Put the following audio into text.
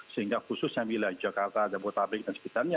sehingga khususnya wilayah jakarta jabodetabek dan sebagainya